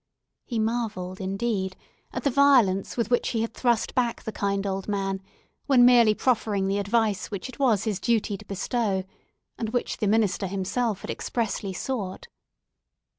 He marvelled, indeed, at the violence with which he had thrust back the kind old man, when merely proffering the advice which it was his duty to bestow, and which the minister himself had expressly sought.